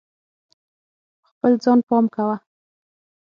په خپل ځان پام کوه.